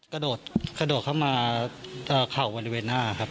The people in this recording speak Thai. กระโดดเข้ามาเข่าบริเวณหน้าครับ